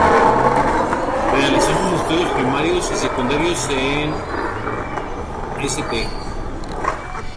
Realizó sus estudios primarios y secundarios en St.